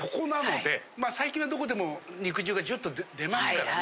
最近はどこでも肉汁がジュッと出ますからね。